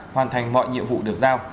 hoàn thành mọi nhiệm vụ được giao